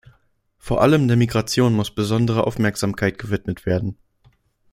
Vor allem der Migration muss besondere Aufmerksamkeit gewidmet werden.